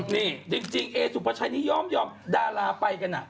นี่จริงเอสุภาชัยนี้ยอมดาราไปกัน